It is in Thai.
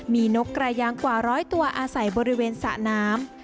มีนกกระยางกว่าร้อยตัวอาศัยบริเวณสระน้ำ